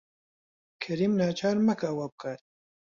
کەریم ناچار مەکە ئەوە بکات.